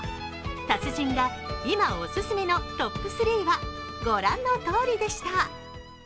達人が今オススメのトップ３は御覧のとおりでした。